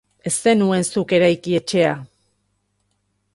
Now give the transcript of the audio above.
Ez zenuen zuk eraiki etxea.